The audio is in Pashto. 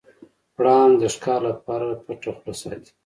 پړانګ د ښکار لپاره پټه خوله ساتي.